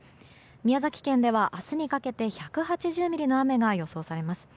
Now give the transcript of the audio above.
宮崎県では明日にかけて１８０ミリの雨が予想されます。